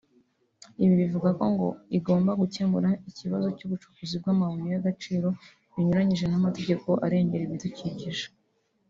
Ibi bivuga ko ngo igomba gukemura ikibazo cy’ubucukuzi bw’amabuye y’agaciro bunyuranyije n’amategeko arengera ibidukikije